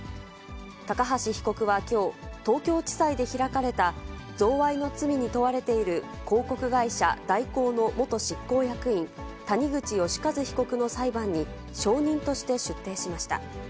高橋被告はきょう、東京地裁で開かれた贈賄の罪に問われている広告会社、大広の元執行役員、谷口義一被告の裁判に、証人として出廷しました。